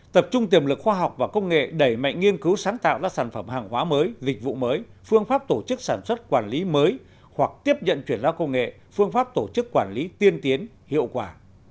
tập trung tiềm lực khoa học và công nghệ đẩy mạnh nghiên cứu sáng tạo ra sản phẩm hàng hóa mới dịch vụ mới phương pháp tổ chức sản xuất quản lý mới hoặc tiếp nhận chuyển giao công nghệ phương pháp tổ chức quản lý tiên tiến hiệu quả